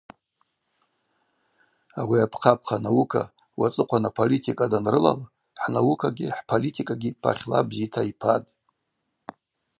Ауи апхъапхъа анаука, уацӏыхъван аполитика данрылал хӏнаукагьи хӏполитикагьи пахьла бзита йпатӏ.